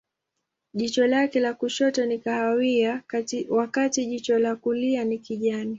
Jicho lake la kushoto ni kahawia, wakati jicho la kulia ni kijani.